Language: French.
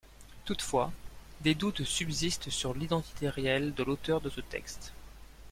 Toutefois, des doutes subsistent sur l'identité réelle de l'auteur de ce texte.